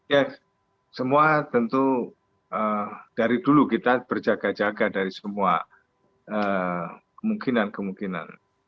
ya semua tentu dari dulu kita berjaga jaga dari semua kemungkinan kemungkinan